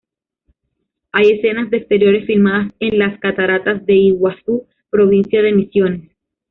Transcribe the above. Hay escenas de exteriores filmadas en las Cataratas de Iguazú, provincia de Misiones.